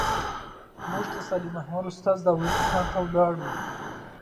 موږ د صالح محمد استاد داوري دوکان ته ولاړو.